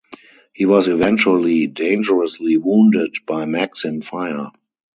He was eventually dangerously wounded by Maxim fire.